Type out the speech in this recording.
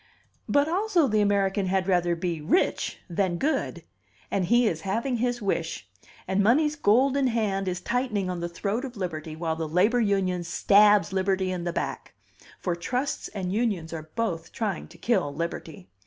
"But also the American had rather be rich than good. And he is having his wish. And money's golden hand is tightening on the throat of liberty while the labor union stabs liberty in the back for trusts and unions are both trying to kill liberty.